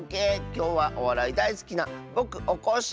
きょうはおわらいだいすきなぼくおこっしぃ